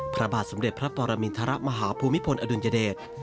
พระบาทสมเด็จพระปรมินทรมาฮภูมิพลอดุลยเดช